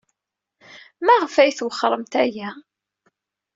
Maɣef ay twexxremt aya?